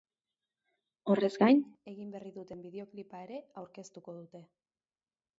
Horrez gain, egin berri duten bideoklipa ere aurkeztuko dute.